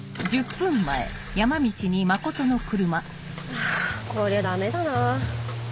あぁこりゃダメだな。